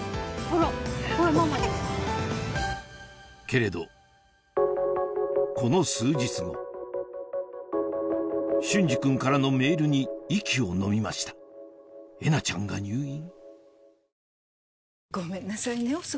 けれどこの数日後隼司君からのメールに息をのみましたえなちゃんが入院？